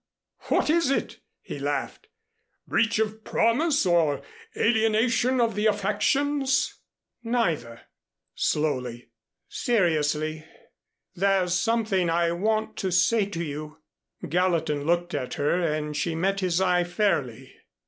What is it?" he laughed. "Breach of promise or alienation of the affections?" "Neither," slowly. "Seriously there's something I want to say to you." Gallatin looked at her and she met his eye fairly.